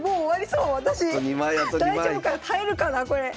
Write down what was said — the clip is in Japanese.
大丈夫かな耐えるかなこれ。